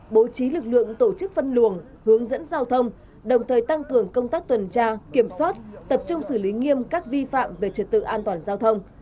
công an tỉnh hải dương cũng tổ chức phân luồng hướng dẫn giao thông đồng thời tăng cường công tác tuần tra kiểm soát tập trung xử lý nghiêm các vi phạm về trật tự an toàn giao thông